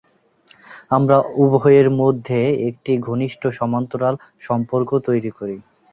আমরা উভয়ের মধ্যে একটি ঘনিষ্ঠ সমান্তরাল সম্পর্ক তৈরী করি।